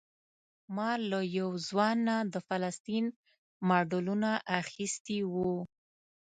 ما له یو ځوان نه د فلسطین ماډلونه اخیستي وو.